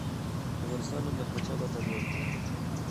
د افغانستان نوم د احمدشاه بابا لوړ کړی دی.